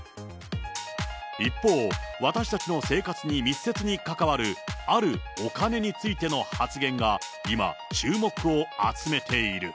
一方、私たちの生活に密接に関わるあるお金についての発言が今、注目を集めている。